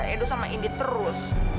edo sama indi terus